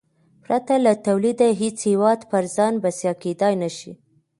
پرته له تولیده هېڅ هېواد پر ځان بسیا کېدای نه شي.